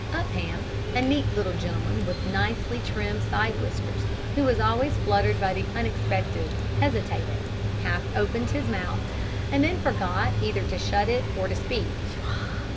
Upham, a neat little gentleman with nicely trimmed side whiskers, who was always fluttered by the unexpected, hesitated, half opened his mouth, and then forgot either to shut it or to speak.